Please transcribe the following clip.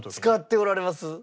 使っておられます？